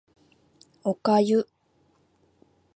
お粥